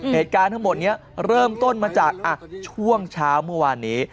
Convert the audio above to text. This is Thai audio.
เหตุการณ์ทั้งหมดนี้เริ่มต้นมาจากช่วงเช้าเมื่อวานนี้